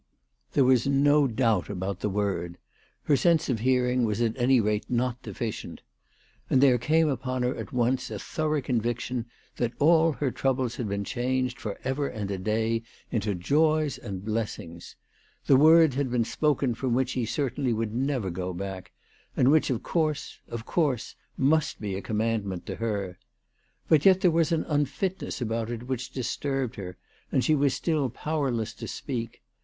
There was no doubt about the word. Her sense of hearing was at any rate not deficient. And] there came upon her at once a thorough conviction that all her troubles had been changed for ever and a day into joys and blessings. The word had been spoken from which he certainly would never go back, and which of course, of course, must be a commandment to her. But yet there was an unfitness about it which disturbed her, and she was still powerless to speak.